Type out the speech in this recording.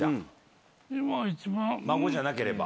孫じゃなければ。